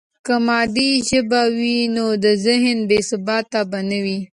که مادي ژبه وي، نو د ذهن بې ثباتي به نه وي.